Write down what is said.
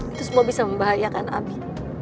itu semua bisa membahayakan api